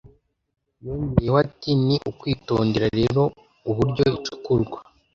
Yongeyeho ati Ni ukwitondera rero uburyo icukurwa